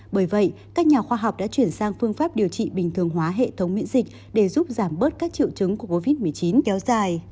bởi vậy các nhà khoa học đã chuyển sang phương pháp điều trị bình thường hóa hệ thống miễn dịch để giúp giảm bớt các triệu chứng của covid một mươi chín kéo dài